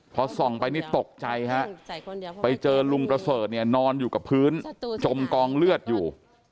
พอส่องไปนี่ตกใจฮะไปเจอลุงประเสริฐเนี่ยนอนอยู่กับพื้นจมกองเลือดอยู่